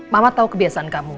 mama tau kebiasaan kamu